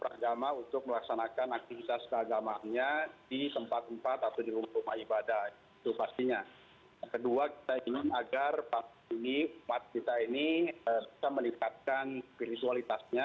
kedua kita ingin agar pas kita ini bisa meningkatkan visualitasnya